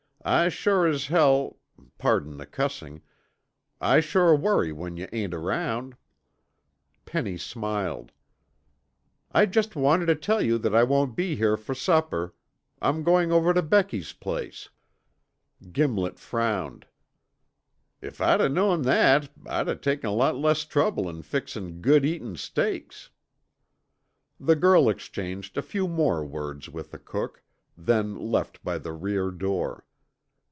I shore as hell pardon the cussin' I shore worry when yuh ain't around." Penny smiled. "I just wanted to tell you that I won't be here for supper. I'm going over to Becky's place." Gimlet frowned. "If I'd o' knowed that I'd o' taken a lot less trouble in fixin' good eatin' steaks." The girl exchanged a few more words with the cook, then left by the rear door.